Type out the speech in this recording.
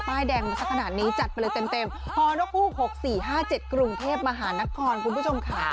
แดงมาสักขนาดนี้จัดไปเลยเต็มฮนกฮูก๖๔๕๗กรุงเทพมหานครคุณผู้ชมค่ะ